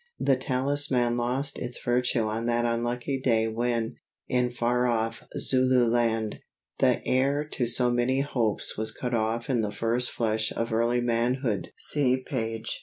The talisman lost its virtue on that unlucky day when, in far off Zululand, the heir to so many hopes was cut off in the first flush of early manhood (see page 64).